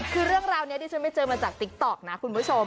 คือเรื่องราวนี้ดิฉันไปเจอมาจากติ๊กต๊อกนะคุณผู้ชม